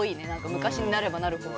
昔になればなるほど。